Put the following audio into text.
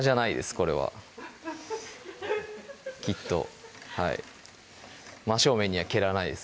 これはきっとはい真正面には蹴らないです